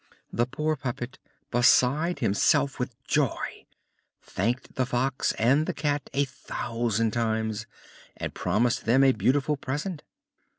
The poor puppet, beside himself with joy, thanked the Fox and the Cat a thousand times, and promised them a beautiful present.